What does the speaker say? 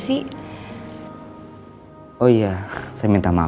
jangan sampai lama lama